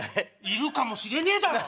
いるかもしれねえだろ。